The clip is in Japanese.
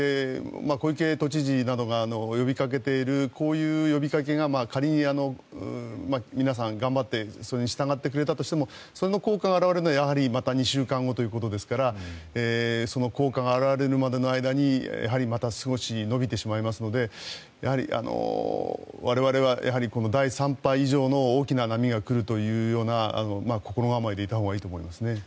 小池都知事などが呼びかけているこういう呼びかけが仮に皆さん頑張ってそれに従ってくれたとしてもその効果が表れるのはまた２週間後ということですからその効果が表れるまでの間にまた少し伸びてしまいますのでやはり、我々は第３波以上の大きな波が来るというような心構えでいたほうがいいと思いますね。